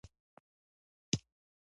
زردالو تخم تریخ وي.